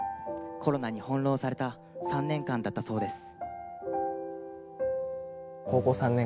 コロナに翻弄された３年間だったそうです。